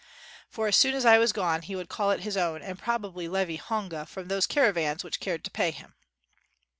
For as soon as I was gone, he would call it his own, and probably levy honga from those caravans which cared to pay him.